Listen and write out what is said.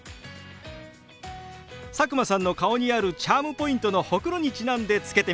佐久間さんの顔にあるチャームポイントのホクロにちなんで付けてみたんですよ。